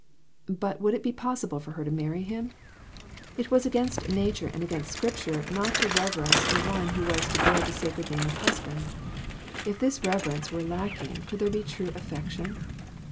But would it be possible for her to marry him ? It was against nature and against Scripture not to reverence the one who was to bear the sacred name of husband. If this reverence were lacking, could there be true affection